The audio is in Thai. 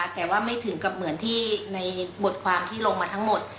แต่ว่าไม่ถึงกับเหมือนที่ในบทความที่ลงมาทั้งหมด